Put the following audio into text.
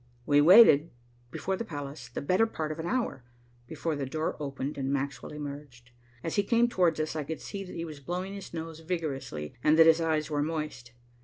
We waited before the palace the better part of an hour before the door opened and Maxwell emerged. As he came towards us, I could see that he was blowing his nose vigorously, and that his eyes were moist.